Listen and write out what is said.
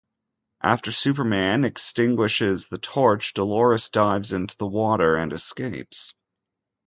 After Superman extinguishes the torch, Dolores dives into the water and escapes.